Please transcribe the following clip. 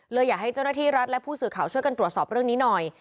อยากให้เจ้าหน้าที่รัฐและผู้สื่อข่าวช่วยกันตรวจสอบเรื่องนี้หน่อย